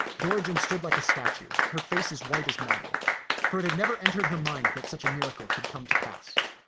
Dorigen stood like a statue, her face as white as marble ; for it had never entered her mind that such a miracle could come to pass.